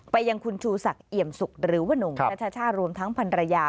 ไปยังคุณชูศักดิ์เอี่ยมสุกหรือว่านงชัชชารวมทั้งพันรยา